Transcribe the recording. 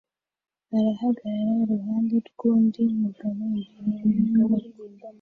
ahagarara iruhande rwundi mugabo imbere yinyubako